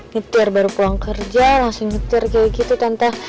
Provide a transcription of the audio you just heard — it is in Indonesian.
nyetir baru pulang kerja langsung nyetir kayak gitu tanpa